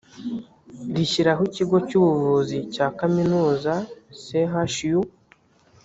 rishyiraho ikigo cy ubuvuzi cya kaminuza chu